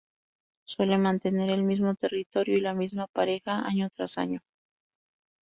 Suelen mantener el mismo territorio y la misma pareja año tras año.